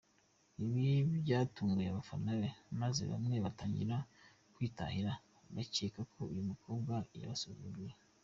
Ibi byatunguye abafana be maze bamwe batangira kwitahira bakeka ko uyu mukobwa yabasuzuguye.